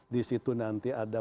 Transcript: di situ nanti ada